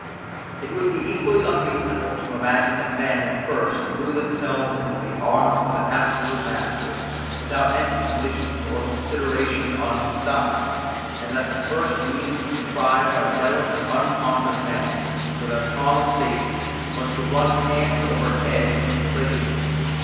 It would be equally unreasonable to imagine that men at first threw themselves into the arms of an absolute master, without any conditions or consideration on his side; and that the first means contrived by jealous and unconquered men for their common safety was to run hand over head into slavery.